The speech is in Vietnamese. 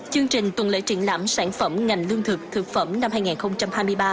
chương trình tuần lễ triển lãm sản phẩm ngành lương thực thực phẩm năm hai nghìn hai mươi ba